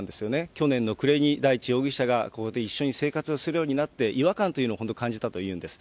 去年の暮れに大地容疑者がここで一緒に生活をするようになって、違和感というのを本当に感じたというのです。